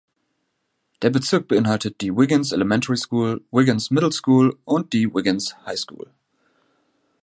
Der Bezirk beinhaltet die Wiggins Elementary School, Wiggins Middle School und die Wiggins High School.